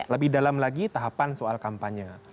lebih dalam lagi tahapan soal kampanye